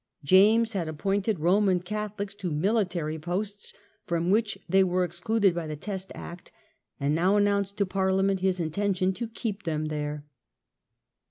James had appointed Roman Catholics to military posts from which they were excluded by the Test Act, and now announced to Parliament his intention to keep them there.